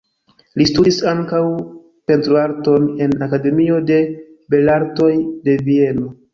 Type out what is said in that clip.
Li studis ankaŭ pentroarton en Akademio de Belartoj de Vieno.